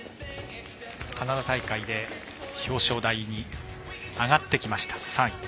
カナダ大会で表彰台に上がってきました、３位。